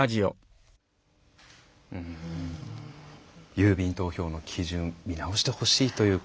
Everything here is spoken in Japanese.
郵便投票の基準見直してほしいという声。